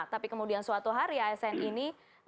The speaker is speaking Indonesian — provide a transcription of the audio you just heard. tapi kemudian suatu hari asn ini